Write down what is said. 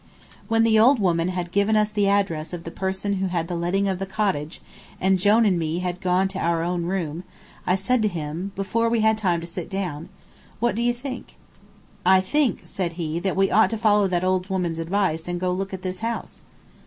When the old woman had given us the address of the person who had the letting of the cottage, and Jone and me had gone to our room, I said to him, before we had time to sit down: "What do you think?" "I think," said he, "that we ought to follow that old woman's advice and go and look at this house."